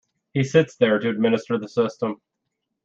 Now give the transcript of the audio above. He sits there to administer the system.